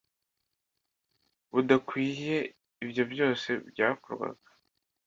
budakwiye Ibyo byose byakorwaga